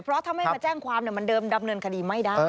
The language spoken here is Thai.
เพราะถ้าไม่มาแจ้งความมันเดิมดำเนินคดีไม่ได้